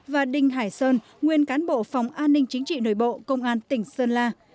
và đinh hải sơn nguyên cán bộ phòng an ninh chính trị nội bộ công an tỉnh sơn la